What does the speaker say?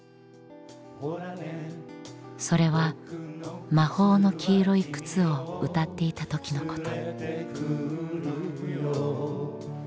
それは「魔法の黄色い靴」を歌っていた時のこと。